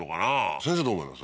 先生どう思います？